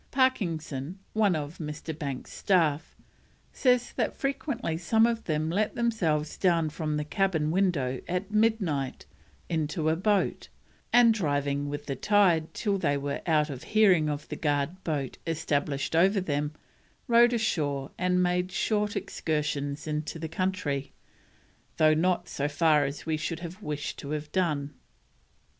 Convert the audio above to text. Parkinson, one of Mr. Banks's staff, says that frequently some of them let themselves down from the cabin window at midnight into a boat, and driving with the tide till they were out of hearing of the guard boat established over them, rowed ashore and made short excursions into the country, "though not so far as we could have wished to have done."